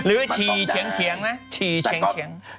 หรือชีเฉียงเฉียงนะ